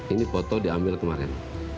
ini foto diambil kemarin